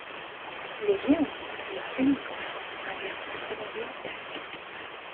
Le vient au monde leur unique enfant, un garçon prénommé Dag.